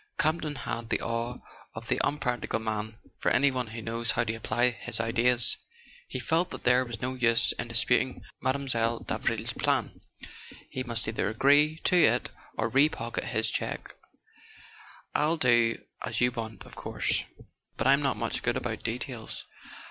Campton had the awe of the unpractical man for anyone who knows how to apply his ideas. He felt that there was no use in disputing Mile. Davril's plan: he must either agree to it or repocket his cheque. "I'll do as you want, of course; but I'm not much good about details.